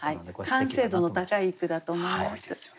完成度の高い句だと思います。